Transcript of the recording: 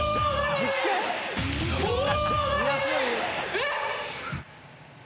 えっ！？